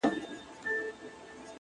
o گراني دا هيله كوم؛